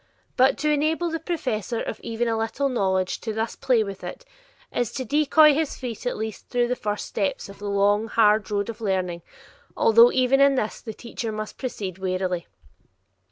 But to enable the possessor of even a little knowledge to thus play with it, is to decoy his feet at least through the first steps of the long, hard road of learning, although even in this, the teacher must proceed warily.